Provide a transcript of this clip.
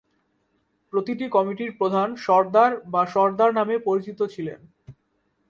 প্রতিটি কমিটির প্রধান "সরদার" বা "সর্দার" নামে পরিচিত ছিলেন।